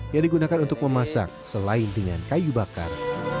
yang digunakan untuk memasak selain dengan kayu bakar